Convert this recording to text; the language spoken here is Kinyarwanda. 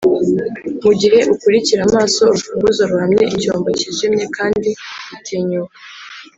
mugihe ukurikira amaso urufunguzo ruhamye, icyombo kijimye kandi gitinyuka;